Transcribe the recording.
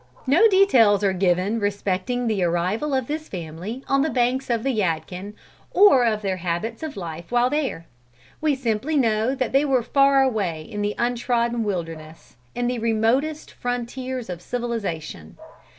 No details are given respecting the arrival of this family on the banks of the Yadkin, or of their habits of life while there. We simply know that they were far away in the untrodden wilderness, in the remotest frontiers of civilization.